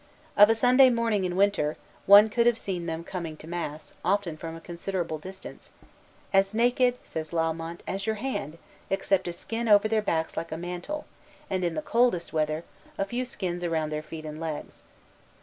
Of a Sunday morning in winter, one could have seen them coming to mass, often from a considerable distance, "as naked," says Lalemant, "as your hand, except a skin over their backs like a mantle, and, in the coldest weather, a few skins around their feet and legs."